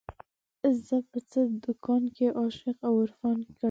زه په څه دکان کې عاشقان او عارفان ګټم